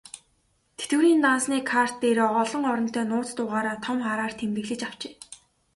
Тэтгэврийн дансны карт дээрээ олон оронтой нууц дугаараа том хараар тэмдэглүүлж авчээ.